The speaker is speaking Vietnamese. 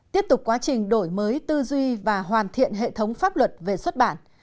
tiếp tục quá trình đổi mới tư duy và hoàn thiện hệ thống pháp luật về xuất bản